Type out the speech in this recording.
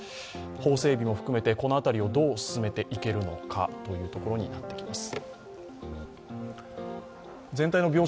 法整備も含めて、この辺りをどう勧めていけるのかというところになってきます。